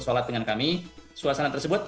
sholat dengan kami suasana tersebut